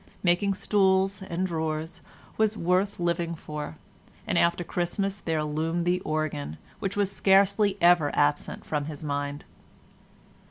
Making stools and drawers was worth living for, and after Christmas there loomed the organ, which was scarcely ever absent from his mind.